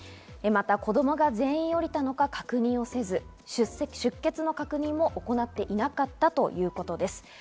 また子供が全員降りたのか確認をせず、出欠の確認も行っていなかったということです。